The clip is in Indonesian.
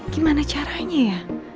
gimana caranya ya